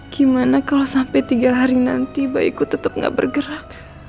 gimana kalo sampe tiga hari nanti bayiku tetep gak bergerak